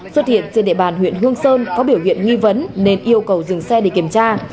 xuất hiện trên địa bàn huyện hương sơn có biểu hiện nghi vấn nên yêu cầu dừng xe để kiểm tra